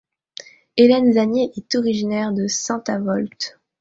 Hélène Zannier est originaire de Saint-Avold.